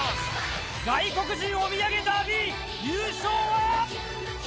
外国人おみやげダービー、優勝は。